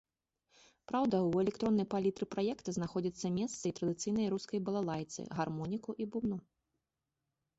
Праўда, у электроннай палітры праекта знаходзіцца месца і традыцыйнай рускай балалайцы, гармоніку і бубну.